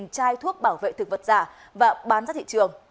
hai chai thuốc bảo vệ thực vật giả và bán ra thị trường